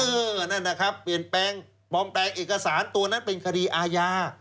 นั่นนะครับเปลี่ยนแปลงปลอมแปลงเอกสารตัวนั้นเป็นคดีอาญา